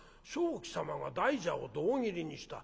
鍾馗様が大蛇を胴切りにした。